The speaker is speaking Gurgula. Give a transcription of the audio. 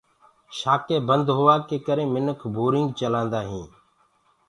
شآکينٚ بند هوآ ڪي ڪري منک بورينگ چلآندآ هينٚ۔